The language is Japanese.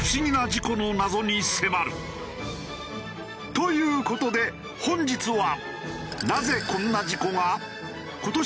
という事で本日は。